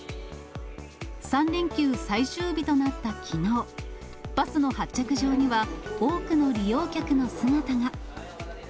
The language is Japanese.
３連休最終日となったきのう、バスの発着場には、多くの利用客の姿が。